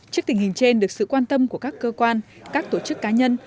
trước tình hình trên được sự quan tâm của các cơ quan các tổ chức cá nhân